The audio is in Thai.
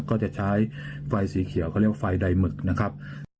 ก็จะใช้ไฟสีเขียวเขาเรียกว่าไฟใดหมึกนะครับ